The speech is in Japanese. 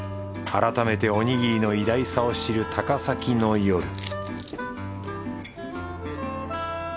改めておにぎりの偉大さを知る高崎の夜